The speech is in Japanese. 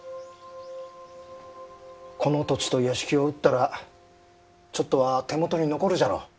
この土地と屋敷を売ったらちょっとは手元に残るじゃろう。